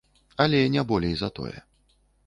Але не болей за тое.